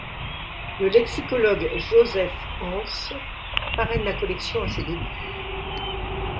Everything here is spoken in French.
Le lexicologue Joseph Hanse parraine la collection à se débuts.